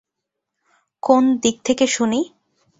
কোন দিক থেকে শুনি?